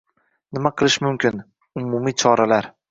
Nima qilish mumkin: umumiy choralar.